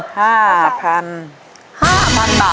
๕๐๐๐บาทครับ